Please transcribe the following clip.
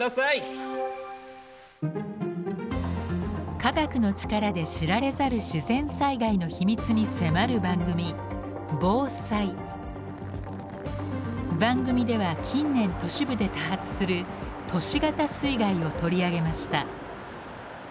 科学の力で知られざる自然災害の秘密に迫る番組番組では近年都市部で多発する「都市型水害」を取り上げました。